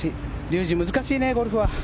竜二、難しいね、ゴルフは。